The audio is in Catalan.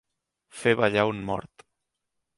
Fer ballar un mort.